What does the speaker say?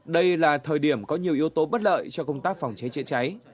đây là thời điểm có nhiều yếu tố bất lợi cho công tác phòng cháy chữa cháy